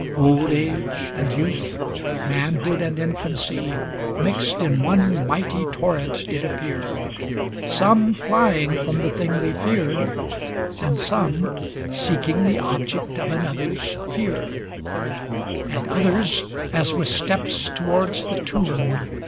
Old age and youth, manhood and infancy. Mixed in one mighty torrent did appear; Some flying from the thing they feared, and some Seeking the object of another's fear; And others, as with steps towards the tomb.